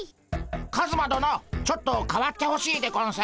カズマどのちょっと代わってほしいでゴンス。